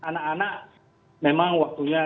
anak anak memang waktunya